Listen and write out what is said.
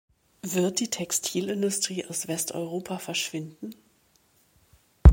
Wird die Textilindustrie aus Westeuropa verschwinden?